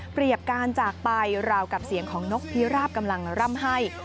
การจากไปราวกับเสียงของนกพิราบกำลังร่ำให้